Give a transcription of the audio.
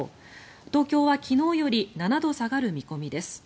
東京は昨日より７度下がる見込みです。